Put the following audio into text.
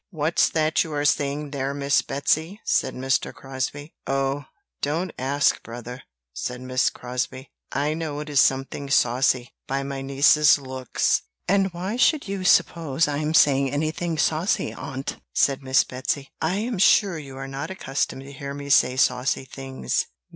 "What's that you are saying there, Miss Betsy?" said Mr. Crosbie. "Oh, don't ask, brother," said Miss Crosbie; "I know it is something saucy, by my niece's looks." "And why should you suppose I am saying anything saucy, aunt?" said Miss Betsy; "I am sure you are not accustomed to hear me say saucy things."